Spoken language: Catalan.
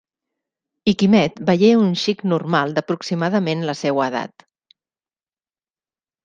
I Quimet veié un xic normal d'aproximadament la seua edat.